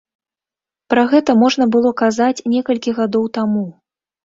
Пра гэта можна было казаць некалькі гадоў таму.